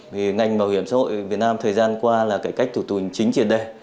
vì ngành bảo hiểm xã hội việt nam thời gian qua là cải cách thủ tục chính trên đề